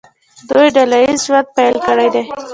دوی ډله ییز ژوند پیل کړی دی.